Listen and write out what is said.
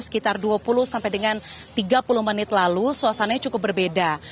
sekitar dua puluh sampai dengan tiga puluh menit lalu suasananya cukup berbeda